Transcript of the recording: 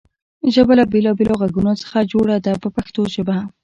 ژبه له بېلابېلو غږونو څخه جوړه ده په پښتو ژبه.